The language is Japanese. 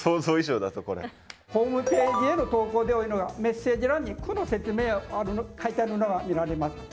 ホームページへの投稿で多いのがメッセージ欄に句の説明を書いてあるのが見られます。